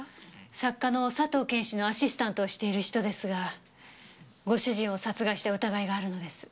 作家の佐藤謙氏のアシスタントをしている人ですがご主人を殺害した疑いがあるのです。